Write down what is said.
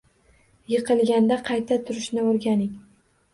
Yiqilganda qayta turishni o’rganing.